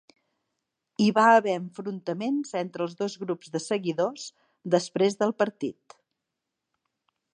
Hi va haver enfrontaments entre els dos grups de seguidors després del partit.